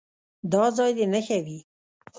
دا ځای دې نښه وي.